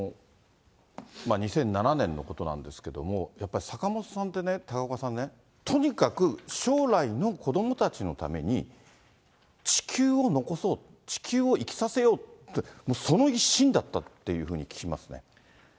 ２００７年のことなんですけれども、やっぱり坂本さんってね、高岡さんね、とにかく将来の子どもたちのために、地球を残そう、地球を生きさせようって、その一心だったっていうふうに聞きますね。